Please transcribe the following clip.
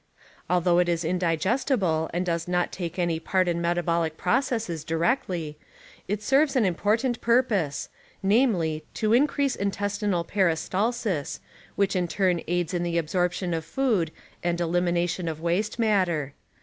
Although it is indigestible and does not take any part in metabolic processes P , directly. it serves an important purpose. ni namely to increase intestinal peristalsis which in turn aids in the absorption of food and elimination of waste matter.